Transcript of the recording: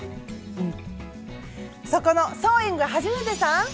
そこのソーイングはじめてさん！